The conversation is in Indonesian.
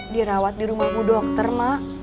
dirawat di rumahmu dokter mak